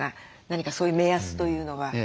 何かそういう目安というのは。